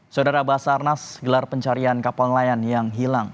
saudara basarnas gelar pencarian kapal nelayan yang hilang